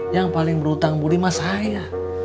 yang paling berhutang budi mah saya